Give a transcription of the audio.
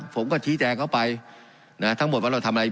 ผมก็ชี้แจงเข้าไปนะทั้งหมดว่าเราทำอะไร